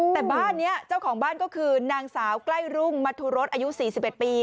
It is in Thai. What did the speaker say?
แต่บ้านนี้เจ้าของบ้านก็คือนางสาวใกล้รุ่งมัธุรสอายุ๔๑ปี